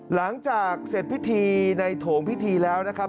หลังจากเสร็จพิธีในโถงพิธีแล้วนะครับ